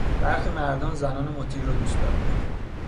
برخی مردان زنان مطیع را دوست دارند.